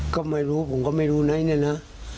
ก็ไม่รู้ผมก็ไม่รู้ไนท์เนี่ยนะ